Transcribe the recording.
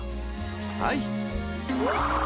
はい。